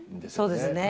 そうですね。